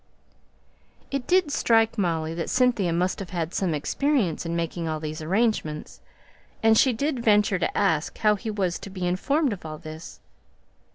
It did strike Molly that Cynthia must have had some experience in making all these arrangements; and she ventured to ask how he was to be informed of all this.